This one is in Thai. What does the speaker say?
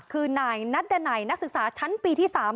คือนายนัดดันัยนักศึกษาชั้นปีที่๓